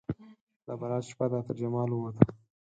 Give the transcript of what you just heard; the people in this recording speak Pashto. د برات شپه ده ترجمال ووته